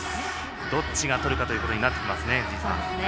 どっちがとるかということになってきますね。